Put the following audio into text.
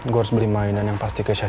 gue harus beli mainan yang pasti kesya suka